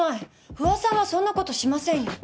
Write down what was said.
不破さんはそんなことしませんよ